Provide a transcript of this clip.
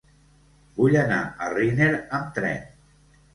Vull anar a Riner amb tren.